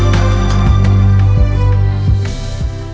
โปรดติดตามตอนต่อไป